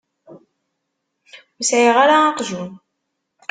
Ur sɛiɣ ara aqjun.